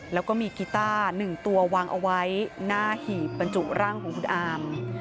แล้วก็มีกีต้า๑ตัววางเอาไว้หน้าหีบบรรจุร่างของคุณอาม